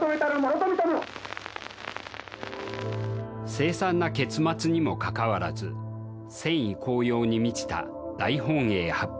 「凄惨な結末にもかかわらず戦意高揚に満ちた大本営発表。